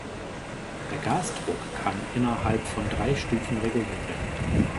Der Gasdruck kann innerhalb von drei Stufen reguliert werden.